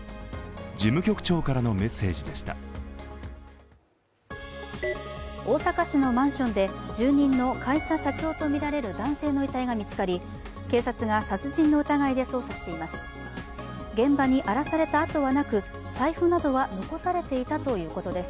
事務局長からのメッセージでした大阪市のマンションで住人の会社社長とみられる男性の遺体が見つかり警察が殺人の疑いで捜査しています。